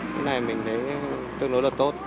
thế này mình thấy tương đối là tốt